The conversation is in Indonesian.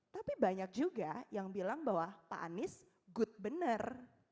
tapi banyak juga yang bilang bahwa pak anies good bener